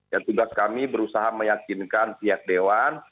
ya tugas kami berusaha meyakinkan pihak dewan